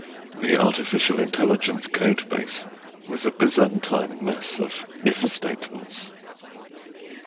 The artificial intelligence codebase was a byzantine mess of if statements.